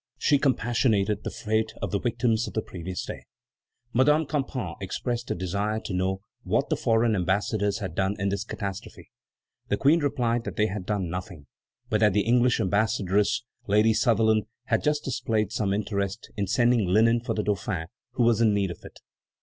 She compassionated the fate of the victims of the previous day. Madame Campan expressed a desire to know what the foreign ambassadors had done in this catastrophe. The Queen replied that they had done nothing, but that the English ambassadress, Lady Sutherland, had just displayed some interest by sending linen for the Dauphin, who was in need of it.